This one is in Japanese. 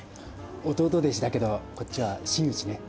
弟弟子だけどこっちは真打ちね。